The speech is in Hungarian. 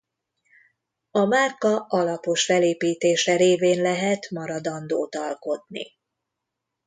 A márka alapos felépítése révén lehet maradandót alkotni.